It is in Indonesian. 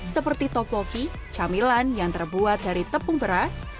seperti tokoki camilan yang terbuat dari tepung beras